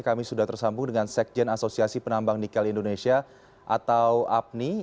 kami sudah tersambung dengan sekjen asosiasi penambang nikel indonesia atau apni